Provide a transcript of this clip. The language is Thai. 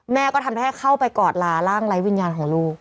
ก็ทำให้เข้าไปกอดลาร่างไร้วิญญาณของลูก